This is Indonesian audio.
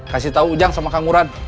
kasih tau ujang sama kang uran